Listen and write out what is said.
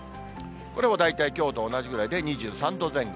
これも大体きょうと同じぐらいで、２３度前後。